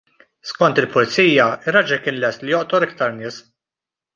Skont il-Pulizija, ir-raġel kien lest li joqtol iktar nies.